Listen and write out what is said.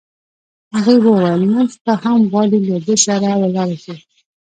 هغې وویل: نن شپه هم غواړې، له ده سره ولاړه شې؟